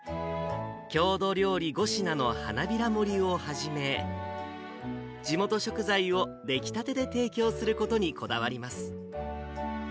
郷土料理５品の花びら盛りをはじめ、地元食材を出来たてで提供することにこだわります。